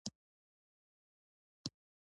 مېز د لیکلو او رسم لپاره کارېږي.